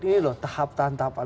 ini loh tahap tahapan